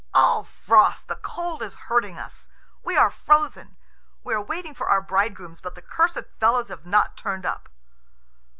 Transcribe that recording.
"Ugh, Frost, the cold is hurting us. We are frozen. We are waiting for our bridegrooms, but the cursed fellows have not turned up."